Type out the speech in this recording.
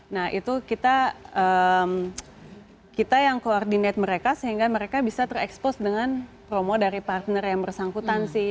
nah itu kita yang koordinat mereka sehingga mereka bisa terekspos dengan promo dari partner yang bersangkutan sih